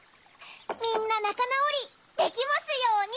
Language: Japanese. みんななかなおりできますように！